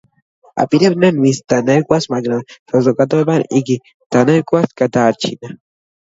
აპირებდნენ მის დანგრევას მაგრამ საზოგადოებამ იგი დანგრევას გადაარჩინა.